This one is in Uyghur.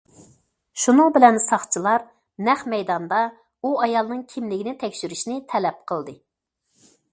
شۇنىڭ بىلەن ساقچىلار نەق مەيداندا ئۇ ئايالنىڭ كىملىكىنى تەكشۈرۈشنى تەلەپ قىلدى.